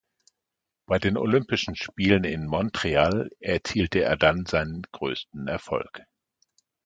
Bei den Olympischen Spielen in Montreal erzielte er dann seinen größten Erfolg.